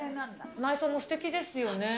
内装もすてきですよね。